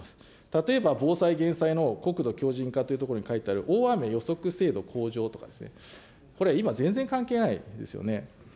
例えば、防災・減災の国土強じん化ということに書いてある、大雨予測精度向上とか、これ、今、全然関係ないですよね。